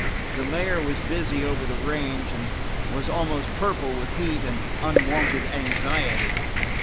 The mayor was busy over the range, and was almost purple with heat and unwonted anxiety.